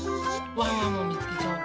ワンワンもみつけちゃおう。